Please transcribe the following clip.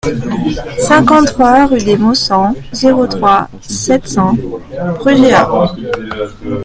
cinquante-trois rue des Maussangs, zéro trois, sept cents Brugheas